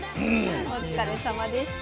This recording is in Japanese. お疲れさまでした。